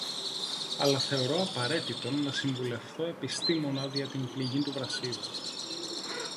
Αλλά θεωρώ απαραίτητον να συμβουλευθώ επιστήμονα διά την πληγήν του Βρασίδα